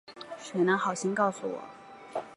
谁能好心告诉我